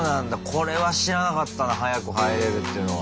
これは知らなかったな早く入れるっていうのは。